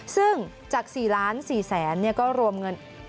ซึ่งจาก๔๔๐๐๐๐๐บาทก็รวมเงิน